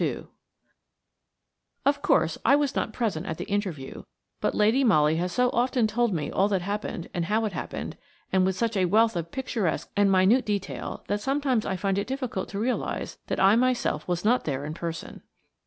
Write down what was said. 2 OF course, I was not present at the interview, but Lady Molly has so often told me all that happened and how it happened, and with such a wealth of picturesque and minute detail, that sometimes I find it difficult to realise that I myself was not there in person.